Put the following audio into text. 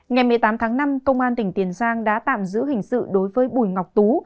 ngày một mươi tám tháng năm công an tỉnh tiền giang đã tạm giữ hình sự đối với bùi ngọc tú